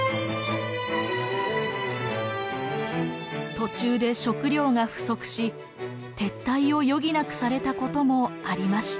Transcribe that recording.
途中で食糧が不足し撤退を余儀なくされたこともありました。